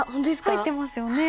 入ってますよね。